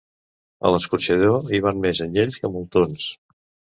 A l'escorxador hi van més anyells que moltons.